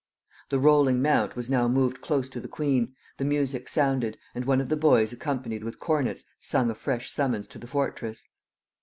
The rolling mount was now moved close to the queen, the music sounded, and one of the boys accompanied with cornets sung a fresh summons to the fortress.